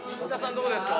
どこですか？